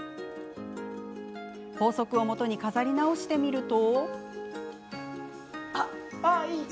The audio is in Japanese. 法則をもとに飾り直してみると。